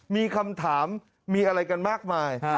มีคำถามมีอะไรกันมากมาย